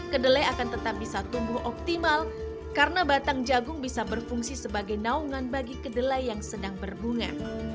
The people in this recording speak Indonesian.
kedelai akan tetap bisa tumbuh optimal karena batang jagung bisa berfungsi sebagai naungan bagi kedelai yang sedang berbunga